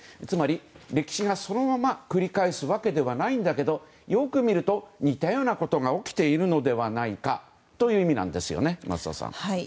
つまり、歴史がそのまま繰り返すわけではないんだけどよく見ると、似たようなことが起きているのではないかという意味なんですよね、増田さん。